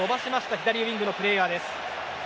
左ウィングのプレーヤー。